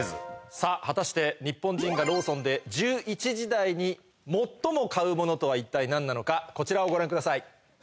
さぁ果たしてニッポン人がＬＡＷＳＯＮで１１時台に最も買うものとは一体何なのかこちらをご覧ください。